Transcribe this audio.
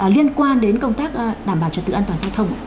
liên quan đến công tác đảm bảo trật tự an toàn giao thông